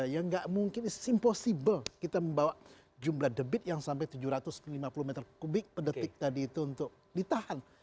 ya tidak mungkin it's impossible kita membawa jumlah debit yang sampai tujuh ratus lima puluh m tiga per detik tadi itu untuk ditahan